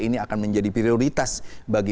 ini akan menjadi prioritas bagi